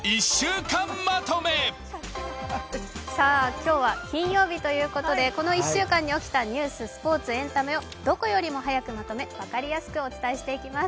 今日は金曜日ということで、この１週間に起きたニュース、スポーツ、エンタメをどこよりも早くまとめ、分かりやすくお伝えしていきます。